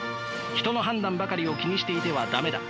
人の判断ばかりを気にしていては駄目だ。